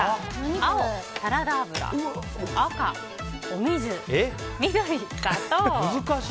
青、サラダ油赤、水緑、砂糖。